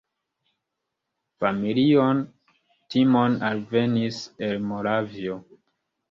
Familio Timon alvenis el Moravio.